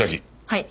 はい。